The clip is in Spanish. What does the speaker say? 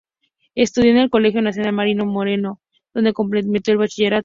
Estudió en el Colegio Nacional Mariano Moreno, donde completó el bachillerato.